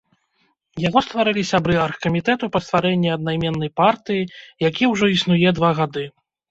Яго стварылі сябры аргкамітэту па стварэнні аднайменнай партыі, які ўжо існуе два гады.